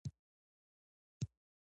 افغانستان کې د طلا په اړه زده کړه کېږي.